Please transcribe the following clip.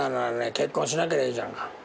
結婚しなけりゃいいじゃんか。